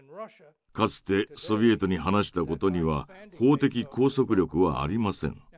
かつてソビエトに話したことには法的拘束力はありません。